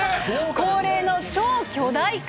恒例の超巨大化。